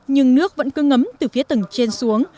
nhưng nước vẫn cứ ngấm từ phía tầng trên xuống